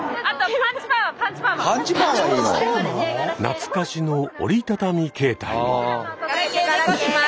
懐かしの折り畳み携帯も。